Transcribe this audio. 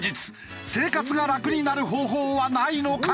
生活が楽になる方法はないのか？